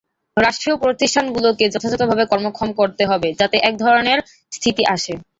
রাষ্ট্রীয় প্রতিষ্ঠানগুলোকে যথাযথভাবে কর্মক্ষম করতে হবে, যাতে একধরনের স্থিতি আসে।